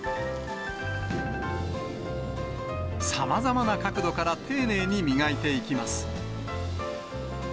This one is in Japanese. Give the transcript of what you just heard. さまざまな角度から丁寧に磨いていきます。